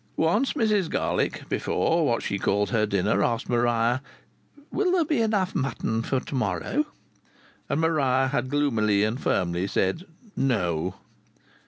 Once Mrs Garlick, before what she called her dinner, asked Maria, "Will there be enough mutton for to morrow?" And Maria had gloomily and firmly said, "No."